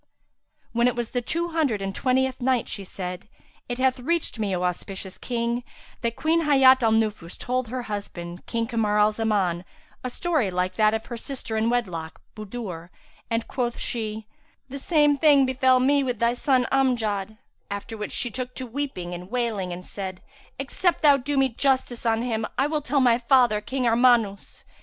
When it was the Two Hundred and Twentieth Night, She said, It hath reached me, O auspicious King, that Queen Hayat al Nufus told her husband, King Kamar al Zaman, a story like that of her sister in wedlock, Budur, and, quoth she, "The same thing befel me with thy son Amjad;" after which she took to weeping and wailing and said, "Except thou do me justice on him I will tell my father, King Armanus."